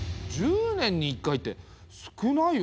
１０年に１回って少ないよね。